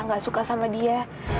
gak suka sama dia